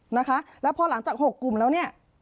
นะคะแล้วพอหลังจาก๖กลุ่มแล้วเนี่ย